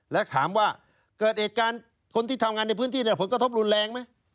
และถามว่าเกิดเหตุการณ์คนที่ทำงานในพื้นที่ผลกระทบรุนแรงไหม